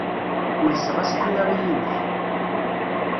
Ulseɣ-as tira i yiwet.